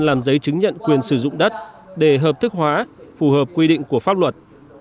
làm giấy chứng nhận quyền sử dụng đất để hợp thức hóa phù hợp quy định của pháp luật